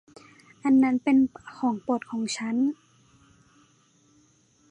อันนั้นเป็นของโปรดของฉัน !